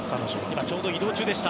ちょうど移動中でした。